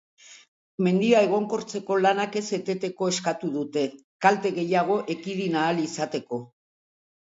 Mendia egonkortzeko lanak ez eteteko eskatu dute, kalte gehiago ekidin ahal izateko.